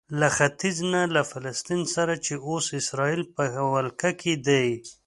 له ختیځ نه له فلسطین سره چې اوس اسراییل په ولکه کې دی.